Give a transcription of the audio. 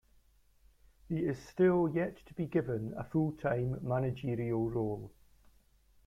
He is still yet to be given a full-time managerial role.